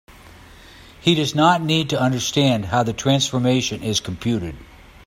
He does not need to understand how the transformation is computed.